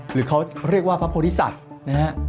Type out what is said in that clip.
หรือเขาเรียกว่าพระโพธิสัตว์นะฮะ